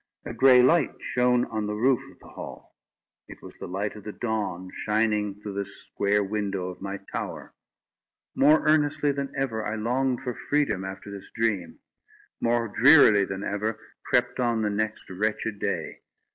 A gray light shone on the roof of the hall. It was the light of the dawn shining through the square window of my tower. More earnestly than ever, I longed for freedom after this dream; more drearily than ever, crept on the next wretched day.